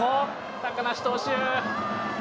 高梨投手。